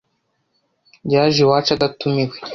yaje iwacu adatumiwe.